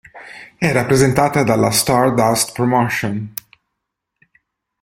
È rappresentata dalla Stardust Promotion.